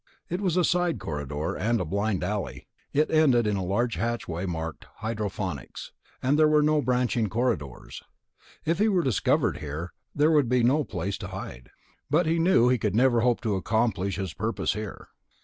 It was a side corridor, and a blind alley; it ended in a large hatchway marked HYDROPONICS, and there were no branching corridors. If he were discovered here, there would be no place to hide. But he knew that he could never hope to accomplish his purpose here....